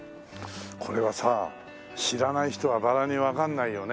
これはさ知らない人はバラにわかんないよね。